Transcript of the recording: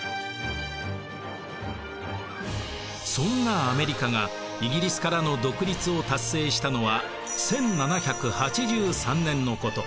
そんなアメリカがイギリスからの独立を達成したのは１７８３年のこと。